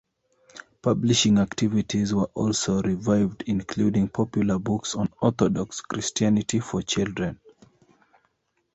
Publishing activities were also revived, including popular books on Orthodox Christianity for children.